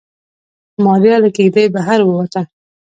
ماريا له کېږدۍ بهر ووته.